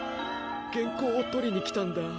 げんこうを取りに来たんだ。